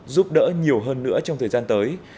giúp đỡ nhiều hơn nữa trong thời gian tới